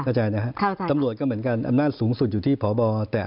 เข้าใจนะครับตำรวจก็เหมือนกันอำนาจสูงสุดอยู่ที่พบแต่